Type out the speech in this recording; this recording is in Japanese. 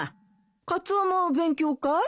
カツオも勉強かい？